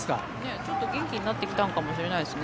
ちょっと元気になってきたのかもしれないですね。